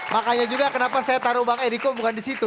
makanya juga kenapa saya taruh bang eriko bukan di situ